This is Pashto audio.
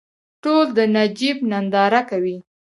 ټول د نجیب ننداره کوي.